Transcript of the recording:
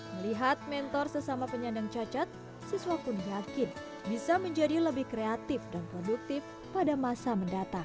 melihat mentor sesama penyandang cacat siswa pun yakin bisa menjadi lebih kreatif dan produktif pada masa mendatang